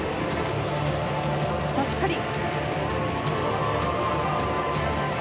さあ、しっかり。